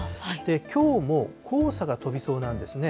きょうも黄砂が飛びそうなんですね。